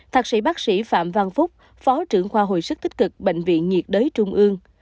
thạc sĩ bác sĩ phạm văn phúc phó trưởng khoa hồi sức tích cực bệnh viện nhiệt đới trung ương